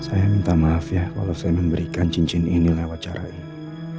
saya minta maaf ya kalau saya memberikan cincin ini lewat cara ini